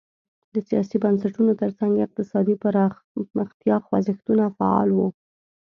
د سیاسي بنسټونو ترڅنګ اقتصادي پرمختیا خوځښتونه فعال وو.